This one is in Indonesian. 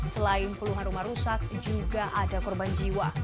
selain puluhan rumah rusak juga ada korban jiwa